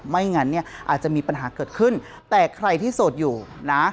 ไม่งั้นเนี่ยอาจจะมีปัญหาเกิดขึ้นแต่ใครที่โสดอยู่นะ